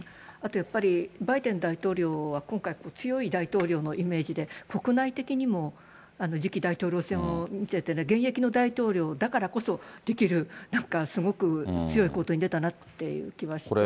やっぱりバイデン大統領は今回、強い大統領のイメージで、国内的にも、次期大統領選を、現役の大統領だからこそ、できる、すごく強いことに出たなという気はします。